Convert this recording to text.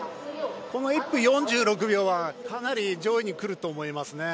この１分４６秒はかなり上位に来ると思います。